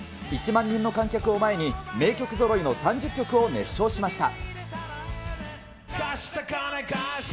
１万人の観客を前に名曲ぞろいの３０曲を熱唱しました。